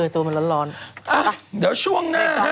ตรงนี้มันร้อน